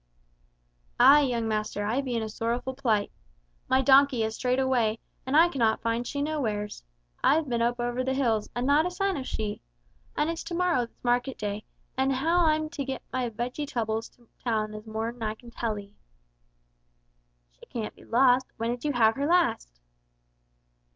"Ay, young master, I be in a sorrowful plight. My donkey has strayed away and I cannot find she nowheres. I've been up over the hills, and not a sign of she! And it's to morrow that's market day, and how I'm to get my veggetubbles to town is more'n I can tell 'ee!" "She can't be lost; when did you have her last?"